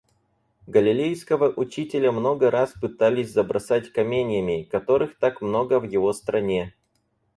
Галилейского учителя много раз пытались забросать каменьями, которых так много в его стране.